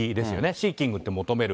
シーキングって、求める。